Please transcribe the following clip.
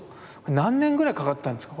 何年ぐらいかかったんですか？